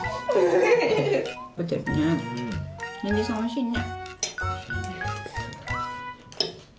にんじんさんおいしいね。